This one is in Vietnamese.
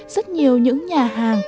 rất nhiều những nhà hàng